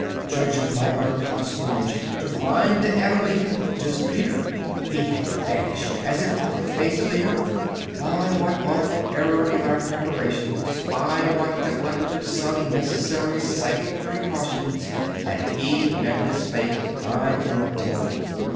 Judge of my utter consternation to find that Annerly had disappeared. He had vanished as if off the face of the earth. By what awful error in our preparations, by what neglect of some necessary psychic precautions, he had met his fate, I cannot tell.